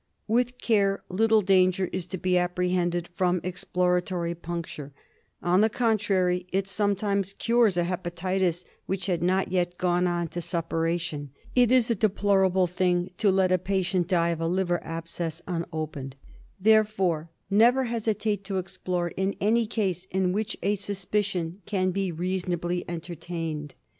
With care little danger is to be apprehended from exploratory puncture; on the contrary, it sometimes cures a hepatitis which had not yet gone on to suppura tion. It is a deplorable thing to let a patient die of a M 178 DIAGNOSIS OF liver abscess unopened. Therefore never hesitate to ex plore in any case in which a suspicion can be reasonably entertained.